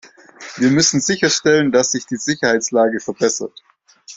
Wir müssen sicherstellen, dass sich die Sicherheitslage verbessert.